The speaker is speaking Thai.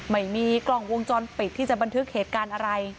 ไม่มีกล้องวงจรปิดที่จะบันทึกเหตุการณ์อะไร